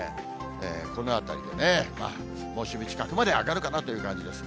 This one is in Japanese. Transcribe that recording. このあたりでね、猛暑日近くまで上がるかなという感じです。